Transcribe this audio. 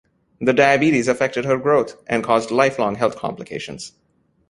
The diabetes affected her growth and caused lifelong health complications.